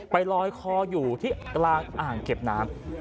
ไปลอยคออยู่ที่กลางอ่างเก็บน้ำ